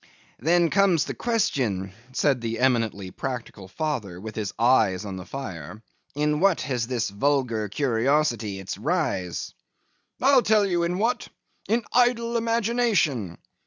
'Then comes the question; said the eminently practical father, with his eyes on the fire, 'in what has this vulgar curiosity its rise?' 'I'll tell you in what. In idle imagination.